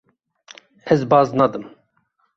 Ez baz nadim.